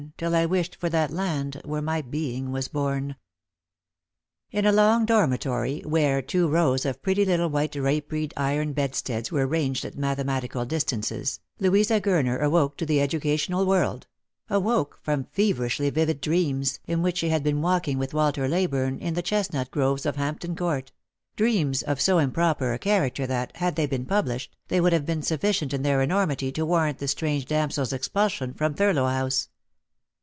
Till I wish'd for that land where my being was born." In a long dormitory, where two rows of pretty little white draperied iron bedsteads were ranged at mathematical distances, Louisa Gurner awoke to the educational world — awoke from feverishly vivid dreams, in which she had been walking with Walter Leyburne in the chestnut groves of Hampton Court; dreams of so improper a character that, had they been published, they would have been sufficient in their enormity to warrant the strange damsel's expulsion from Thurlow House.